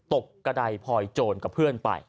กระดายพลอยโจรกับเพื่อนไป